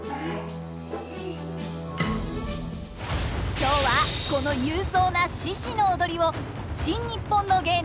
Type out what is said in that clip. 今日はこの勇壮な獅子の踊りを「新・にっぽんの芸能」